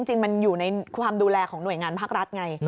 จริงมันอยู่ในความดูแลของหน่วยงานภาครัฐไง